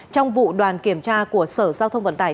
trong vụ đoàn kiểm tra của sở giao thông vận tải